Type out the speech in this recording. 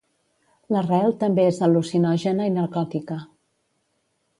L'arrel també és al·lucinògena i narcòtica.